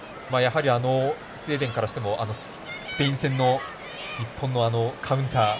スウェーデンからしてもスペイン戦の日本のカウンター。